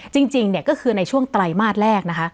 จริงก็คือในช่วงตรายมาร์ทแรกนะคะ